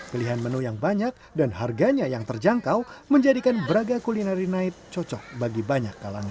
pilihan menu yang banyak dan harganya yang terjangkau menjadikan braga culinary night cocok bagi banyak kalangan